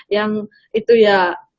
yang itu ya